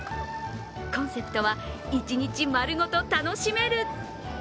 コンセプトは一日丸ごと楽しめる！